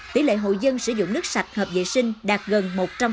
tỷ lệ hồ dân sử dụng nước sạch hợp dễ sinh đạt gần một trăm linh